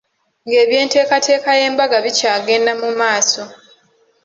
Ng'eby'enteekateeka y'embaga bikyagenda mu maaso.